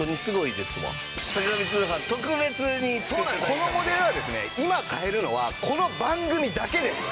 このモデルはですね今買えるのはこの番組だけです。